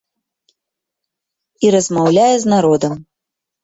І размаўляе з народам.